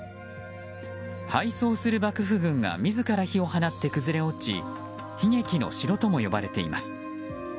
敗走する幕府軍が自ら火を放って崩れ落ち悲劇の城とも呼ばれています。